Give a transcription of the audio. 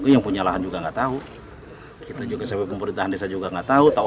yang punya lahan juga nggak tahu kita juga sebagai pemerintahan desa juga nggak tahu